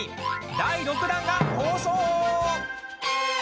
第６弾が放送。